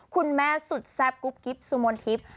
คุณแม่สุดแซ่บสุมนทิพย์